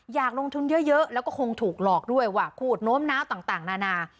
อยากลงทุนเยอะแล้วก็คงถูกหลอกด้วยว่าพูดโน้มน้าวต่างนานา